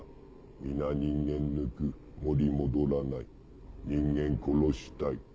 皆人間抜く森戻らない人間殺したい。